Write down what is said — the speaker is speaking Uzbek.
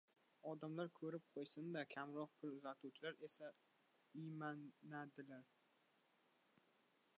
odamlar ko‘rib qo‘yishsin-da! Kamroq pul uzatuvchilar esa iymanadilar.